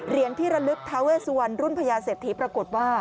เรียนที่ระนึกธาเวสวรรค์รุ่นพญาเสธฐีปรากฏว่า